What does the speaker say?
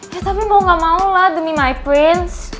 ya tapi mau gak mau lah demi mic prince